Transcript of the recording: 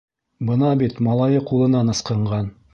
Бына бит малайы ҡулынан ысҡынған.